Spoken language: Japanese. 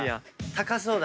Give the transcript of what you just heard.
高そうだし。